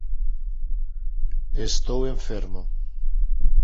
Estou enfermo".